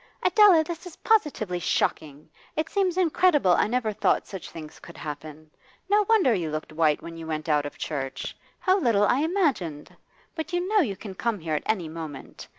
'Adela, this is positively shocking! It seems incredible I never thought such things could happen. No wonder you looked white when you went out of church. How little I imagined! But you know you can come here at any moment.